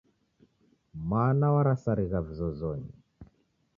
Mwana warasarigha vizozonyi.